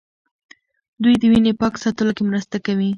دوی د وینې پاک ساتلو کې مرسته کوي.